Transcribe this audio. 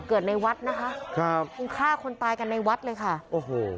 ในวัดนะคะครับคงฆ่าคนตายกันในวัดเลยค่ะโอ้โห